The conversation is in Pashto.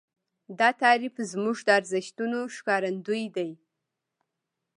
دا تعریف زموږ د ارزښتونو ښکارندوی دی.